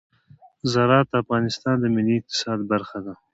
زراعت د افغانستان د ملي اقتصاد برخه ده.